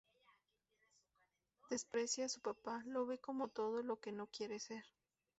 Desprecia a su papá, lo ve como todo lo que no quiere ser.